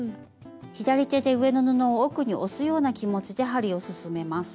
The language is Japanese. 左手で上の布を奥に押すような気持ちで針を進めます。